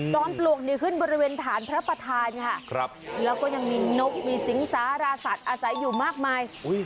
ปลวกนี่ขึ้นบริเวณฐานพระประธานค่ะแล้วก็ยังมีนกมีสิงสาราสัตว์อาศัยอยู่มากมาย